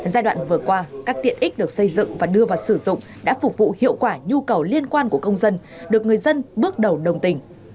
giai đoạn vừa qua các tiện ích được xây dựng và đưa vào sử dụng đã phục vụ hiệu quả nhu cầu liên quan của công dân được người dân bước đầu đồng tình